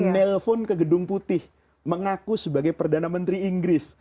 menelpon ke gedung putih mengaku sebagai perdana menteri inggris